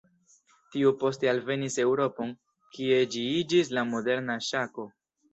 Tiu poste alvenis Eŭropon, kie ĝi iĝis la moderna Ŝako.